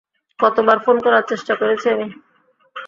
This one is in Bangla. কতবার ফোন করার চেষ্টা করেছি আমি?